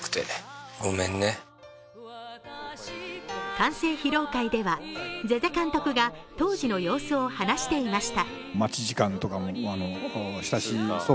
完成披露会では瀬々監督が当時の様子を話していました。